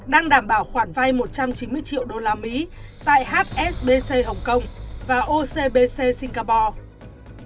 đang đảm bảo khoản vay một trăm chín mươi triệu đô la mỹ tại hsbc hồng kông và ocbc singapore